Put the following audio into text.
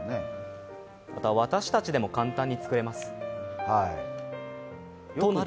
ただ、私たちでも簡単に作れます。